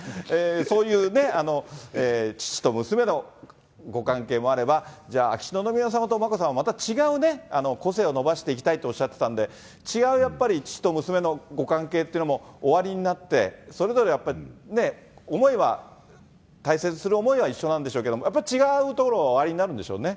そういうね、父と娘のご関係もあれば、じゃあ、秋篠宮さまと眞子さまはまた違うね、個性を伸ばしていきたいとおっしゃってたんで、血は父と娘のご関係というのもおありになって、それぞれやっぱりね、思いは大切にする思いは一緒なんでしょうけれども、やっぱり違うところはおありになるんでしょうね。